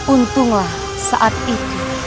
untunglah saat itu